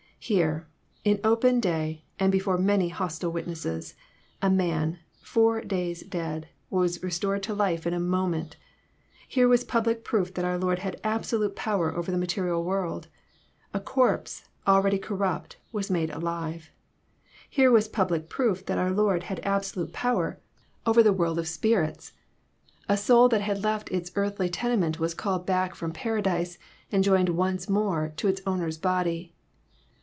Here, in open day, and before many hostile witnesses, a man, four days dead, was restored to life in a moment. Here was public proof that our Lord had absolute power over the material world ! A corpse, already corrupt, was made alive !— Here was public proof that our Lord had absolute power over the JOHN, CHAP. XI. 281 world of spirits ! A soul that had left its earthly tene ment was called back from Paradise, and joined once more to its owner's body.